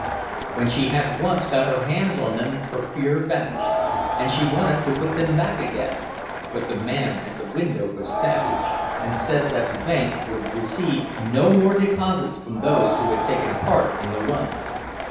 When she had once got her hands on them her fear vanished, and she wanted to put them back again; but the man at the window was savage, and said that the bank would receive no more deposits from those who had taken part in the run.